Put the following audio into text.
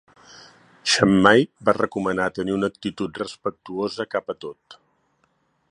Xammai va recomanar tenir una actitud respectuosa cap a tot.